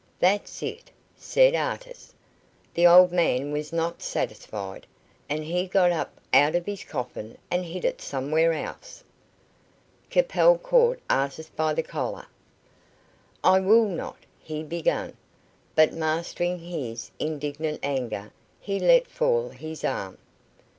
"That's it," said Artis. "The old man was not satisfied, and he got up out of his coffin and hid it somewhere else." Capel caught Artis by the collar. "I will not " he began; but mastering his indignant anger he let fall his arm.